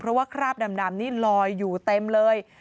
เพราะว่าคราบดำนี่ลอยอยู่เต็มเลย